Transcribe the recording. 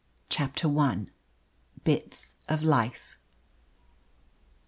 CHAPTER I. BITS OF LIFE.